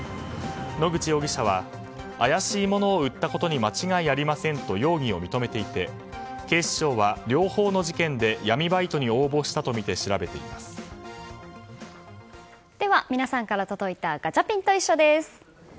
野口容疑者は怪しいものを売ったことに間違いありませんと容疑を認めていて警視庁は両方の事件で闇バイトに応募したとみてでは、皆さんから届いたガチャピンといっしょ！です。